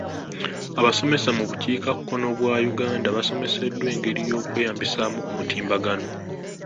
Abasomesa mu bukiikakkono bwa Uganda basomeseddwa engeri y'okweyambisaamu omutimbagano.